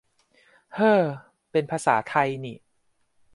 "เฮ้อ" เป็นภาษาไทยนี่